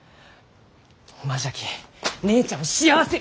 おまんじゃき姉ちゃんを幸せに！